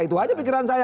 itu aja pikiran saya